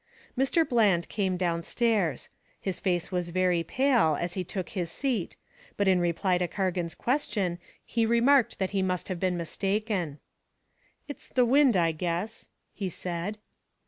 Mr. Bland came down stairs. His face was very pale as he took his seat, but in reply to Cargan's question he remarked that he must have been mistaken. "It was the wind, I guess," he said.